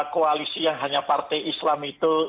koalisi yang hanya partai islam itu